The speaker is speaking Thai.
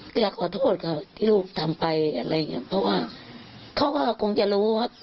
ก็อยากขอโทษเขาที่ลูกทำไปอะไรอย่างเงี้ยเพราะว่าเขาก็คงจะรู้ว่า